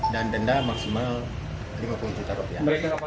dan denda maksimal lima puluh juta rupiah